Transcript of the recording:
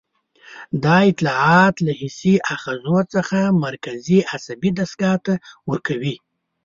دا اطلاعات له حسي آخذو څخه مرکزي عصبي دستګاه ته ورکوي.